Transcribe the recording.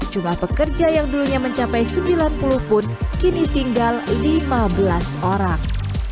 jumlah pekerja yang dulunya mencapai sembilan puluh pun kini tinggal lima belas orang